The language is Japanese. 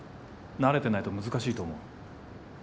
慣れてないと難しいと思う。